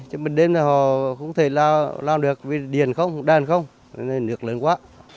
chứ mình đêm thì họ không thể làm được vì điền không đàn không nên là nước lớn quá